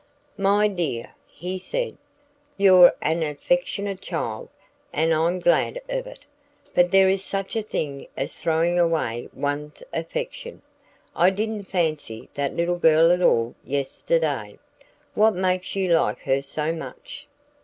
"My dear," he said, "you're an affectionate child, and I'm glad of it. But there is such a thing as throwing away one's affection. I didn't fancy that little girl at all yesterday. What makes you like her so much?"